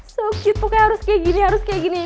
so sheet pokoknya harus kayak gini harus kayak gini